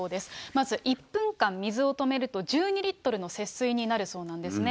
まず、１分間水を止めると１２リットルの節水になるそうなんですね。